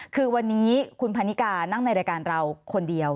คือวันนี้คุณพันนิกานั่งในรายการเราคนเดียว